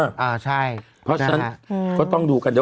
เพราะฉะนั้นก็ต้องดูกันด้วย